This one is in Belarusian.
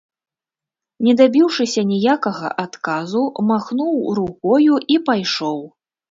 Не дабіўшыся ніякага адказу, махнуў рукою і пайшоў.